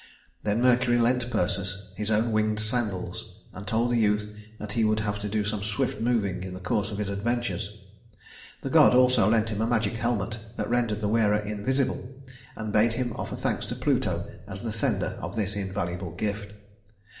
Then Mercury lent Perseus his own winged sandals, and told the youth that he would have to do some swift moving in the course of his adventures. The god also lent him a magic helmet that rendered the wearer invisible, and bade him offer thanks to Pluto as the sender of this invaluable gift.